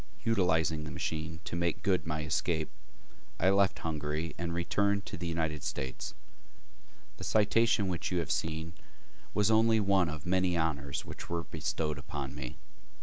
Utilizing the machine to make good my escape, I left Hungary and returned to the United States. The citation which you have seen was only one of the many honors which were bestowed upon me.